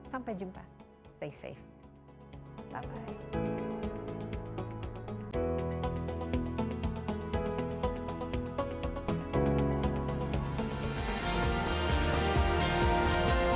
sampai jumpa stay safe bye bye